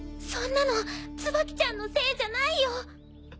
そんなのツバキちゃんのせいじゃないよ。